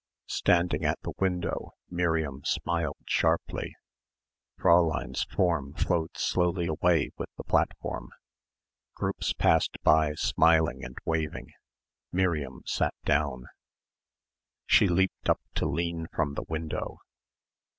Standing at the window Miriam smiled sharply. Fräulein's form flowed slowly away with the platform. Groups passed by smiling and waving. Miriam sat down. She leaped up to lean from the window.